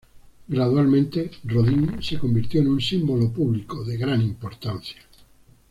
Gradualmente, Rodin se convirtió en un símbolo público de gran importancia.